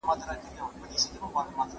ساه یې په سینه کې بنده بنده کېدله.